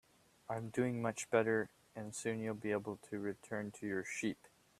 I'm doing much better, and soon you'll be able to return to your sheep.